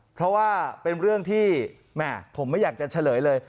เพราะว่าเป็นเรื่องที่แม่ผมไม่อยากจะเฉลยเลย